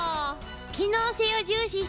機能性を重視してる